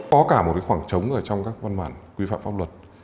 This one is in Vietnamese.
có cả một khoảng trống ở trong các văn bản quy phạm pháp luật